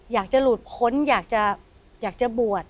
อยากจะหลุดพ้นอยากจะบวช